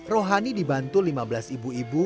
rohani dibantu lima belas ibu ibu